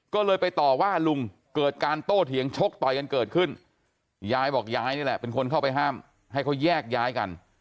ก็เลยไปต่อว่าลุงเกิดการโต้เถียงชกต่อยกันเกิดขึ้นยายบอกยายนี่แหละเป็นคนเข้าไปห้ามให้เขาแยกย้ายกัน